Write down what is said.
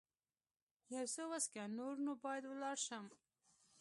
یو څه وڅښه، نور نو باید ولاړ شم.